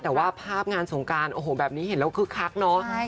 แต่ว่าภาพงานสงการโอ้โหแบบนี้เห็นแล้วคึกคักเนอะ